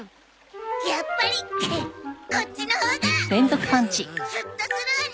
やっぱりこっちのほうがスッとするわね！